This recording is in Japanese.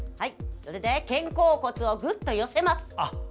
それで肩甲骨をぐっと寄せます。